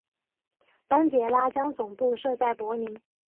班杰拉将总部设在柏林。